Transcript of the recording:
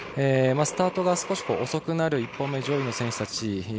スタートが少し遅くなる１本目上位の選手たち